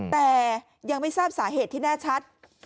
แต่ยังไม่ทราบสาเหตุที่แน่ชัด